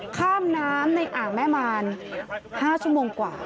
ข้ามน้ำในอ่างแม่มาร๕ชั่วโมงกว่า